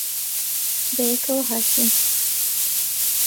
بەیەکەوە ھاتین.